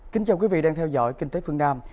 kính chào quý vị đang theo dõi kinh tế phương nam